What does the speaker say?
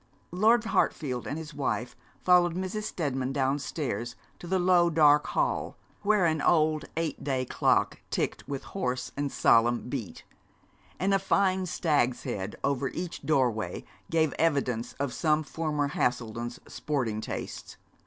Lord Hartfield and his wife followed Mrs. Steadman downstairs to the low dark hall, where an old eight day clock ticked with hoarse and solemn beat, and a fine stag's head over each doorway gave evidence of some former Haselden's sporting tastes.